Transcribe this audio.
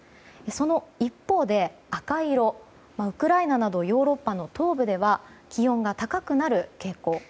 その一方で赤色ウクライナなどヨーロッパの東部では気温が高くなる傾向。